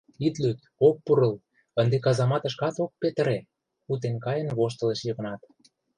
— Ит лӱд, ок пурл, ынде казаматышкат ок петыре! — утен каен воштылеш Йыгнат.